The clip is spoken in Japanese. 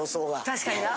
確かにな。